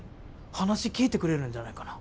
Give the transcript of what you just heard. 話聞いてくれるんじゃないかな。